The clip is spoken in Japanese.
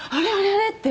あれ？って。